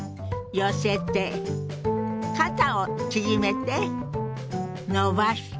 肩を縮めて伸ばして。